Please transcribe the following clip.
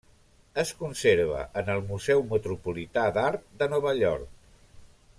Es conserva en el Museu Metropolità d'Art de Nova York.